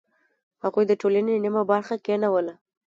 هغوی د ټولنې نیمه برخه کینوله.